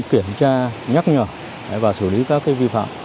kiểm tra nhắc nhở và xử lý các vi phạm